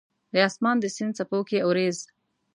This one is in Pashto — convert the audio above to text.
د اسمان د سیند څپو کې اوریځ